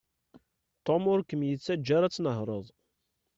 Tom ur kem-yettaǧǧa ara ad tnehreḍ.